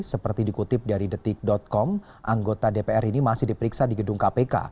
seperti dikutip dari detik com anggota dpr ini masih diperiksa di gedung kpk